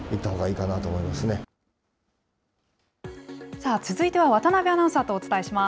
さあ、続いては渡辺アナウンサーとお伝えします。